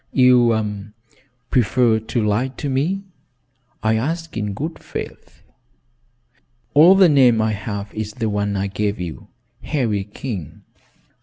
"You prefer to lie to me? I ask in good faith." "All the name I have is the one I gave you, Harry King."